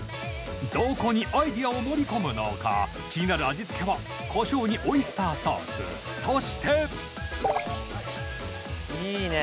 どこにアイデアを盛り込むのか気になる味付けはコショウにオイスターソースそしていいね！